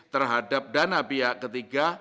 terhadap dana pihak ketiga